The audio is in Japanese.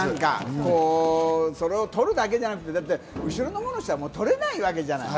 それを取るだけじゃなくて、後ろの方の人は取れないわけじゃない？